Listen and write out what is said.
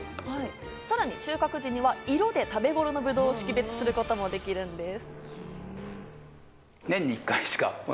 さらに収穫時には色で食べ頃を識別することもできるんです。